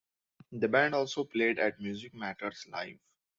The band also played at Music Matters Live.